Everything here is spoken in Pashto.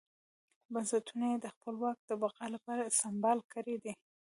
بنسټونه یې د خپل واک د بقا لپاره سمبال کړي دي.